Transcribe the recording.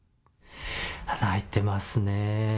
穴開いてますね。